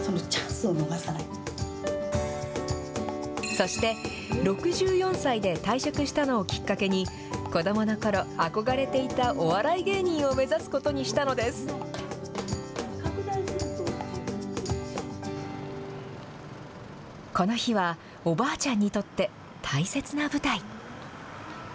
そして６４歳で退職したのをきっかけに、子どものころ、憧れていたお笑い芸人を目指すことにしたのです。この日は、おばあちゃんにとって大切な舞台。